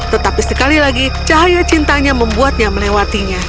tetapi sekali lagi cahaya cintanya membuatnya melewatinya